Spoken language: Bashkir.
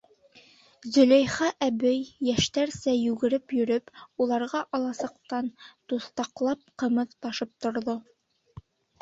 Зөләйха әбей, йәштәрсә йүгереп йөрөп, уларға аласыҡтан туҫтаҡпап ҡымыҙ ташып торҙо.